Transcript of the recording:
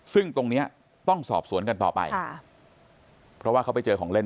ซึ่งตรงเนี้ยต้องสอบสวนกันต่อไปค่ะเพราะว่าเขาไปเจอของเล่น